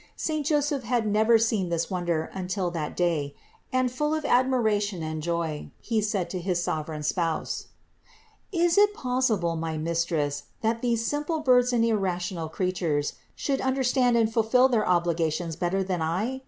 Saint Joseph had never seen this wonder until that day and, full of admiration and joy, he said to his sovereign Spouse: "Is it possible, my Mistress, that these simple birds and irrational crea tures should understand and fulfill their obligations better than I?